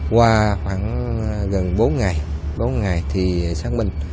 qua khoảng gần bốn ngày bốn ngày thì xác minh